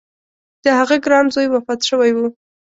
د هغه ګران زوی وفات شوی و.